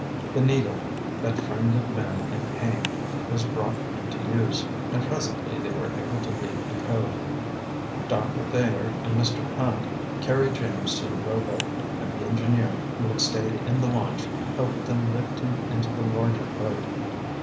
The needle, that friend of man in pain, was brought into use; and presently they were able to leave the cove. Doctor Thayer and Mr. Hand carried James to the rowboat, and the engineer, who had stayed in the launch, helped them lift him into the larger boat.